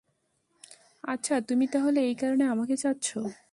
আচ্ছা, তুমি তাহলে এই কারণে আমাকে চাচ্ছ।